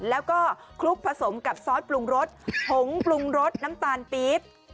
แล้วก็คลุกผสมกับซอสปรุงรสผงปรุงรสน้ำตาลปี๊บ